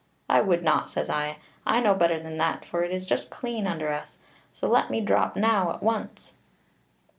'I would not,' says I; 'I know better than that, for it is just clean under us, so let me drop now at once.'